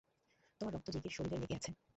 তোমার রক্ত জিগির শরীরে লেগে গেছে!